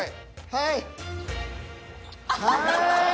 はい。